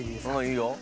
いいよ。